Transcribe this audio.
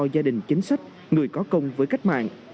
gia đình chính sách người có công với cách mạng